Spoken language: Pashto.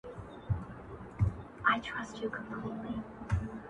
وَمَا أُوتِيَ النَّبِيُّونَ مِن رَّبِّهِمْ.